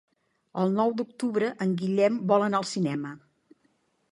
El nou d'octubre en Guillem vol anar al cinema.